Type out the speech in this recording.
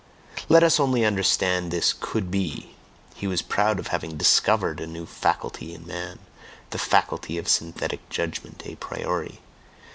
Let us only understand this "could be"! He was proud of having DISCOVERED a new faculty in man, the faculty of synthetic judgment a priori.